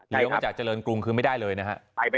เดี๋ยวกันจากเจริญกรุงคือไม่ได้เลยนะฮะ